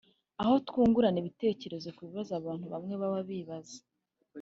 aho twungurana ibitekerezo ku bibazo abantu bamwe baba bibaza